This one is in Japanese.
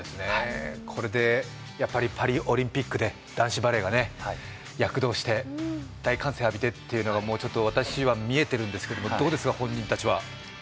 これでパリオリンピックで男子バレーが躍動して大歓声を浴びてというのは私は見えてるんですけどどうですか、本人たちは。